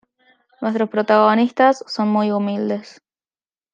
Nuestros protagonistas son muy humildes.